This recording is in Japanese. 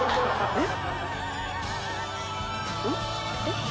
「えっ？」